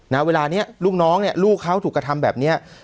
เวลานี้ลูกน้องเนี่ยลูกเขาถูกกระทำแบบนี้